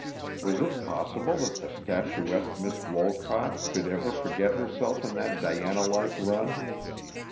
Was it possible that the statuesque Miss Wolcott could ever forget herself in that Diana like run?